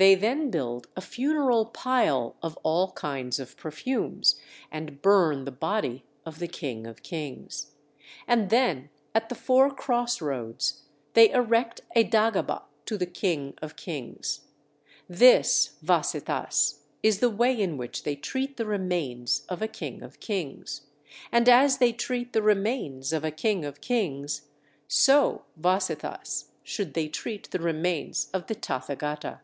They then build a funeral pile of all kinds of perfumes, and burn the body of the king of kings. And then at the four cross roads they erect a dagaba to the king of kings. This, Vasetthas, is the way in which they treat the remains of a king of kings. And as they treat the remains of a king of kings, so, Vasetthas, should they treat the remains of the Tathagata.